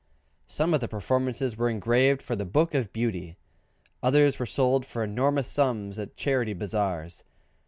Some of the performances were engraved for the "Book of Beauty:" others were sold for enormous sums at Charity Bazaars.